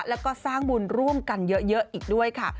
แล้วก็สร้างบุญร่วมกันเยอะอีกด้วยค่ะ